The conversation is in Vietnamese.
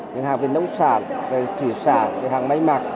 những hàng về nông sản về thủy sản về hàng may mặc